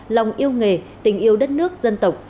lòng yêu nghề tình yêu đất nước dân tộc